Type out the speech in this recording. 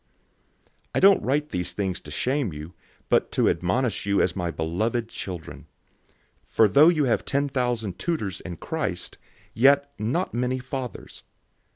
004:014 I don't write these things to shame you, but to admonish you as my beloved children. 004:015 For though you have ten thousand tutors in Christ, yet not many fathers.